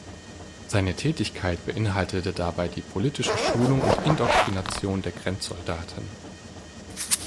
Seine Tätigkeit beinhaltete dabei die politische Schulung und Indoktrination der Grenzsoldaten.